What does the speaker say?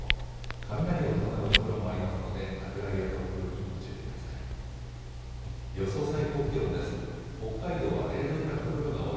雷を伴う所もありますので落雷や突風にご注意ください。